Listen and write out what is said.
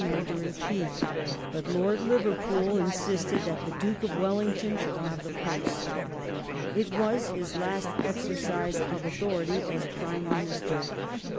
78 THE LAST YEARS OF TORY RULE [1822 Chief, but Lord Liverpool insisted that the Duke of Wellington should have the post. It was his last exercise of authority as Prime Minister.